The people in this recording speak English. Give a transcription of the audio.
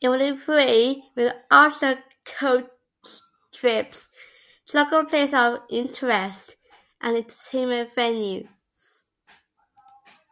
Evening free, with optional coach trips to local places of interest and entertainment venues.